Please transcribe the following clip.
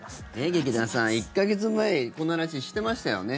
劇団さん、１か月前にこんな話していましたよね。